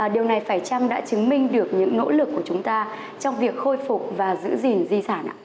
điều này phải chăng đã chứng minh được những nỗ lực của chúng ta trong việc khôi phục và giữ gìn di sản ạ